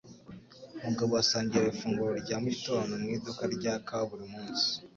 Mugabo asangira ifunguro rya mugitondo mu iduka rya kawa buri munsi.